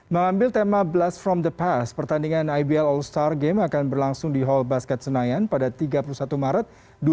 mengambil tema blast from the past pertandingan ibl all star game akan berlangsung di hall basket senayan pada tiga puluh satu maret dua ribu dua puluh